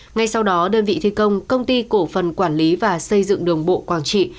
ngay sau đó đơn vị thi công công ty cổ phần quản lý và xây dựng đường bộ quảng trị